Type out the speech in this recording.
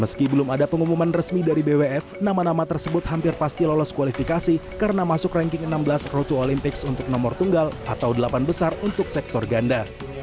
meski belum ada pengumuman resmi dari bwf nama nama tersebut hampir pasti lolos kualifikasi karena masuk ranking enam belas rutu olimpiks untuk nomor tunggal atau delapan besar untuk sektor ganda